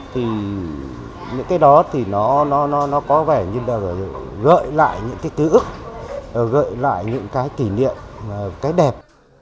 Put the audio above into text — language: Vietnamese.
thì những cái đó thì nó có vẻ như là gợi lại những cái tức gợi lại những cái kỷ niệm cái đẹp